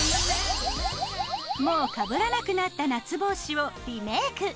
もうかぶらなくなった夏帽子をリメイク！